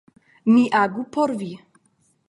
Mi agu por vi.